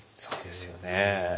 そうですよね。